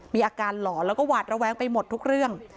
อาการหลอนแล้วก็หวาดระแวงไปหมดทุกเรื่อง